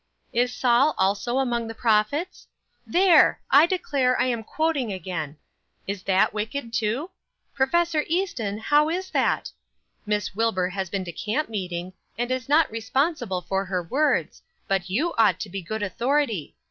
"'Is Saul also among the prophets?' There! I declare, I am quoting again. Is that wicked, too? Prof. Easton, how is that? Miss Wilbur has been to camp meeting, and is not responsible for her words, but you ought to be good authority.